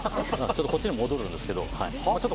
こっちに戻るんですけど。